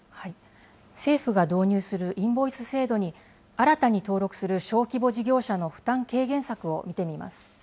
政府が導入するインボイス制度に新たに登録する小規模事業者の負担軽減策を見てみます。